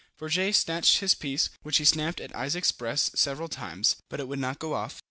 Fourgette snatched his piece, which he snapped at Isaac's breast several times, but it would not go off.